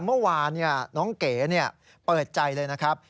เมื่อวานน้องเก๋เปิดใจเลยนะครับ